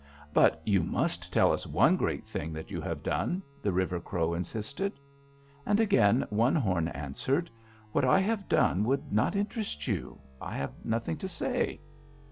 "'But you must tell us one great thing that you have done,' the River Crow insisted. "And again One Horn answered: 'What I have done would not interest you. I have nothing to say.'